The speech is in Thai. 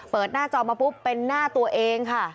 หน้าจอมาปุ๊บเป็นหน้าตัวเองค่ะ